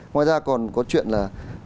ngoài ra còn có chuyện là